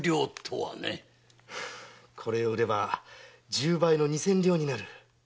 これを売れば十倍の二千両になる。